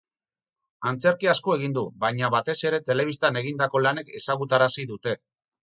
Antzerki asko egin du, baina batez ere telebistan egindako lanek ezagutarazi dute.